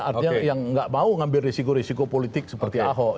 artinya yang nggak mau ngambil risiko risiko politik seperti ahok